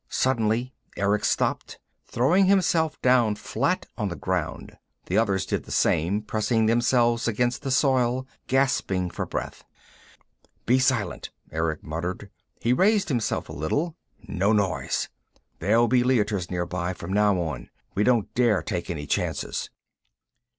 Suddenly Erick stopped, throwing himself down flat on the ground. The others did the same, pressing themselves against the soil, gasping for breath. "Be silent," Erick muttered. He raised himself a little. "No noise. There'll be Leiters nearby, from now on. We don't dare take any chances."